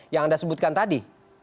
yang anda sebutkan tadi